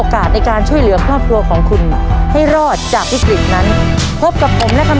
ครับขอบคุณมากนะครับ